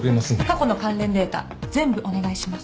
過去の関連データ全部お願いします。